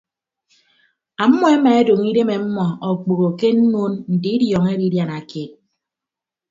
Ọmmọ emaedọñ idem ọmmọ okpoho ke nnuun nte idiọñọ edidiana keet.